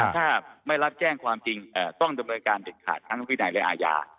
ถ้าไม่รับแจ้งความจริงต้องดำเนินการเด็ดขาดทั้งวินัยและอาญา